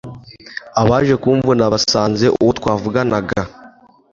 Abaje kumvuna Basanze uwo twavuganaga